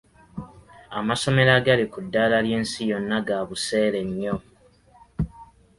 Amasomero agali ku ddaala ly'ensi yonna ga buseere nnyo.